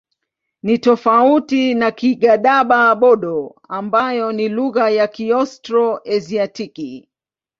Ni tofauti na Kigadaba-Bodo ambayo ni lugha ya Kiaustro-Asiatiki.